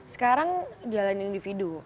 sekarang jalan individu